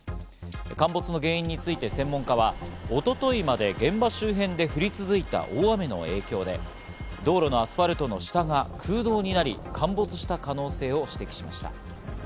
陥没の原因について専門家は一昨日まで現場周辺で降り続いた大雨の影響で道路のアスファルトの下が空洞になり陥没した可能性を指摘しました。